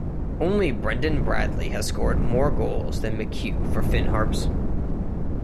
Only Brendan Bradley has scored more goals than McHugh for Finn Harps.